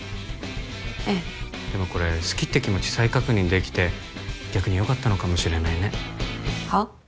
ええでもこれ好きって気持ち再確認できて逆によかったのかもしれないねはっ？